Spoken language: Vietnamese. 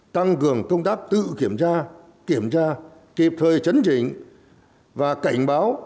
tăng cường công tác tự kiểm tra kiểm tra kịp thời chấn chỉnh và cảnh báo